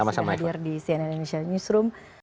sudah hadir di cnn indonesia newsroom